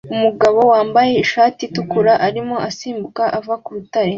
Umugabo wambaye ishati itukura arimo asimbuka ava ku rutare